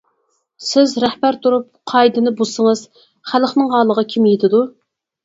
سىز رەھبەر تۇرۇپ، قائىدىنى بۇزسىڭىز خەلقنىڭ ھالىغا كىم يېتىدۇ.